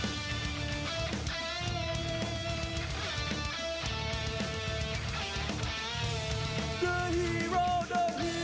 ตอนนี้มันถึงมวยกู้ที่๓ของรายการสุดยอดกีฬาการต่อสู้ครับ